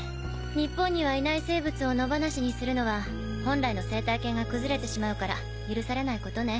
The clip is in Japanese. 日本にはいない生物を野放しにするのは本来の生態系が崩れてしまうから許されないことね。